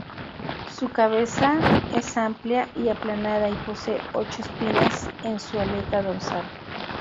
Su cabeza es amplia y aplanada y posee ocho espinas en su aleta dorsal.